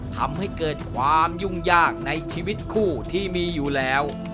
ทำให้เกิดความยุ่งยากในชีวิตคู่ที่มีอยู่แล้ว